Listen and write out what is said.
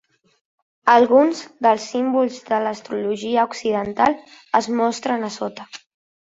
Alguns dels símbols de l'astrologia occidental es mostren a sota.